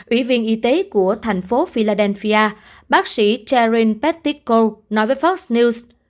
ủy viên y tế của thành phố philadelphia bác sĩ sharon petticoat nói với fox news